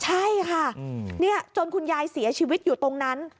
ใช่ค่ะจนคุณยายเสียชีวิตอยู่ตรงนั้น